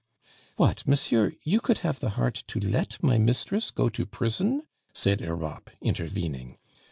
"What, monsieur, you could have the heart to let my mistress go to prison?" said Europe, intervening.